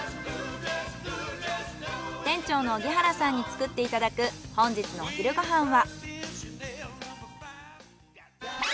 店長の荻原さんに作っていただく本日のお昼ご飯は。